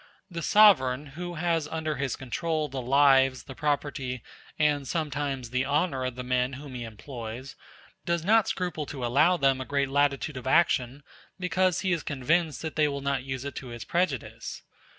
The sovereign, who has under his control the lives, the property, and sometimes the honor of the men whom he employs, does not scruple to allow them a great latitude of action, because he is convinced that they will not use it to his prejudice.